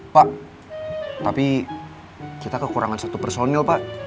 pak tapi kita kekurangan satu personil pak